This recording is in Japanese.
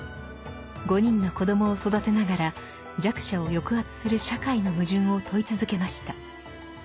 ５人の子供を育てながら弱者を抑圧する社会の矛盾を問い続けました。